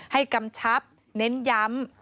กำชับเน้นย้ำ